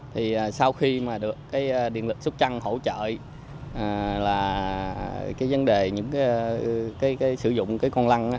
thì sau khi mà được cái điện lực sóc trăng hỗ trợ là cái vấn đề những cái sử dụng cái con lăn